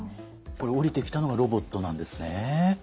これ下りてきたのがロボットなんですね。